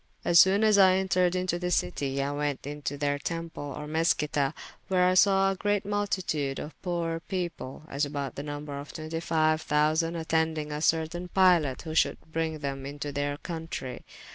As soone as I entered into the citie, I went to their temple or Meschita, where I sawe a great multitude of poore people, as about the number of 25 thousande, attendyng a certayne pilot who should bryng them into their countrey.